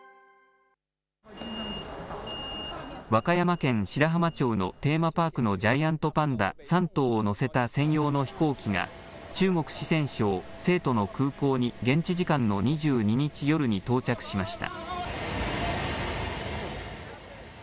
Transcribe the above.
和歌山県白浜町のテーマパークのジャイアントパンダ３頭を乗せた専用の飛行機が、中国・四川省成都の空港に現地時間の２２日夜に到着しました。